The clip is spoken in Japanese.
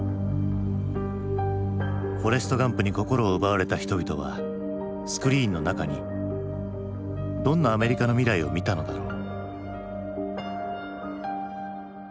「フォレスト・ガンプ」に心を奪われた人々はスクリーンの中にどんなアメリカの未来を見たのだろう。